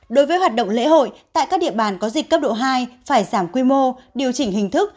đối với hoạt động lễ hội tại các địa bàn có dịch cấp độ hai phải giảm quy mô điều chỉnh hình thức